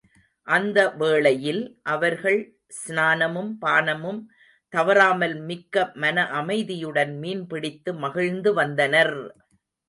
அந்த வேளையில் அவர்கள் ஸ்நானமும் பானமும் தவறாமல் மிக்க மனஅமைதியுடன் மீன் பிடித்து மகிழ்ந்து வந்தனர்!